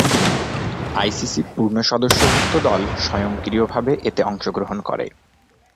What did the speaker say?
আইসিসি'র পূর্ণ সদস্যভূক্ত দল স্বয়ংক্রিয়ভাবে এতে অংশগ্রহণ করে।